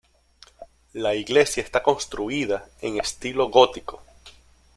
La iglesia está construida en estilo gótico.